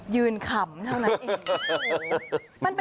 ยืนขำเท่านั้น